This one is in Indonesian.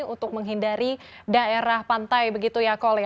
untuk menghindari daerah pantai begitu ya koli